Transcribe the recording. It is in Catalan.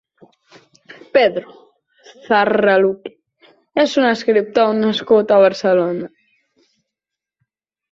Pedro Zarraluki és un escriptor nascut a Barcelona.